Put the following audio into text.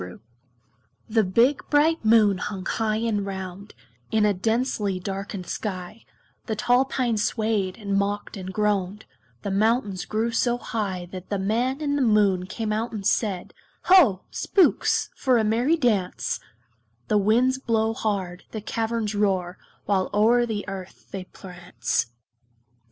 The GOBLINS' CHRISTMAS The big bright Moon hung high and round, In a densely darkened sky; The tall pines swayed, and mocked, and groaned; The mountains grew so high That the Man in the Moon came out and said, "Ho! Spooks, for a merry dance." The winds blow hard, the caverns roar, While o'er the earth they prance.